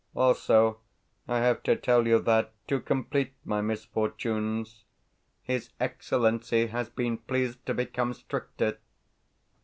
Also I have to tell you that, to complete my misfortunes, his Excellency has been pleased to become stricter.